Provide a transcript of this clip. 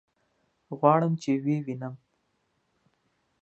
غواړم چې ويې وينم.